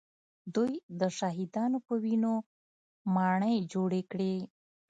دوی د شهیدانو په وینو ماڼۍ جوړې کړې